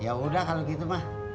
ya udah kalau gitu mah